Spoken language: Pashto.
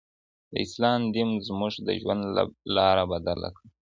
د اسلام دین زموږ د ژوند لاره بدله کړه.